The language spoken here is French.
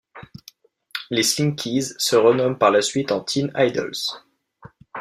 Les Slinkees se renomment par la suite en Teen Idles.